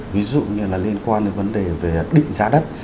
ví dụ như là liên quan đến vấn đề về định giá đất